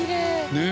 ねえ。